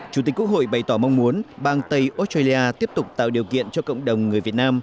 chủ tịch quốc hội bày tỏ mong muốn bang tây australia tiếp tục tạo điều kiện cho cộng đồng người việt nam